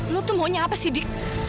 lu tuh maunya apa sih dik